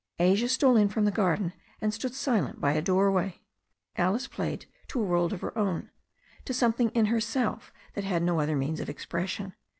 Asia stole in from the garden and stood silent by a door way. Alice played to a world of her own, to something in her self that had no other means of expression.